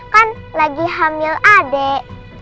kan lagi hamil adek